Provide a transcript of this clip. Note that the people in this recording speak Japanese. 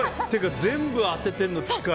全部、当ててるの近い。